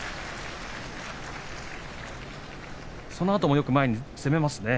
そのあともよく前に攻めますね。